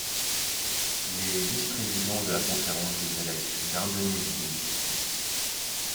Il est vice-président de la Conférence des évêques d’Indonésie.